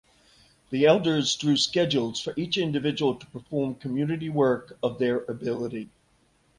The elders draw schedules for each individual to perform community work of their ability.